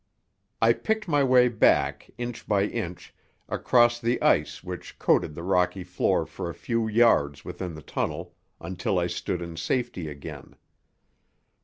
I picked my way back, inch by inch, across the ice which coated the rocky floor for a few yards within the tunnel, until I stood in safety again.